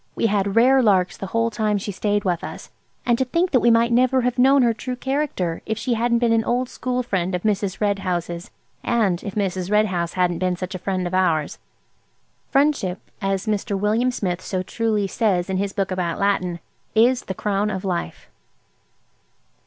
We had rare larks the whole time she stayed with us. And to think that we might never have known her true character if she hadn't been an old school friend of Mrs. Red House's, and if Mrs. Red House hadn't been such a friend of ours! "Friendship," as Mr. William Smith so truly says in his book about Latin, "is the crown of life."